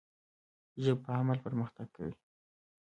ژبه په عمل پرمختګ کوي.